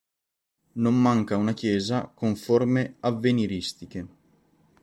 Non manca una chiesa con forme avveniristiche.